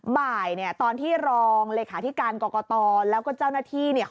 บ่ายเนี่ยตอนที่รองเลขาธิการกรกตแล้วก็เจ้าหน้าที่เนี่ย